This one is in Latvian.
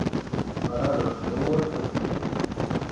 Ar adatu dūri taču.